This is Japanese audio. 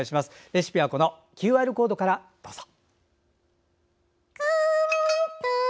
レシピはＱＲコードからどうぞ。